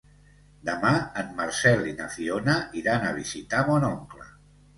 Demà en Marcel i na Fiona iran a visitar mon oncle.